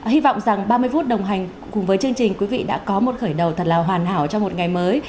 hy vọng rằng ba mươi phút đồng hành cùng với chương trình quý vị đã có một khởi đầu thật là hoàn hảo cho một ngày mới